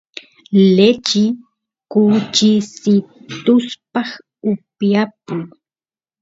lechi kuchisituspaq upiyapuy